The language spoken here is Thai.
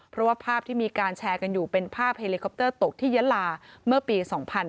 เพราะว่าภาพที่มีการแชร์กันอยู่เป็นภาพเฮลิคอปเตอร์ตกที่ยะลาเมื่อปี๒๕๕๙